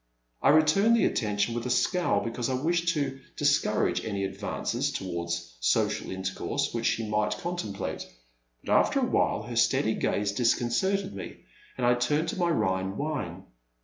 I returned the attention with a scowl because I wished to discourage any advances towards so cial intercourse which she might contemplate ; but after a while her steady gaze disconcerted me, and I turned to my Rhine wine.